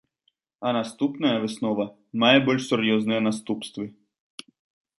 А наступная выснова мае больш сур'ёзныя наступствы.